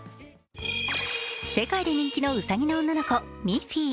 世界で人気のうさぎの女の子、ミッフィー。